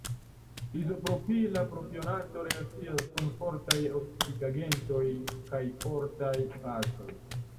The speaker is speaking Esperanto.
Izopropila propionato reakcias kun fortaj oksidigagentoj kaj fortaj bazoj.